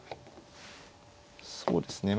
そうですね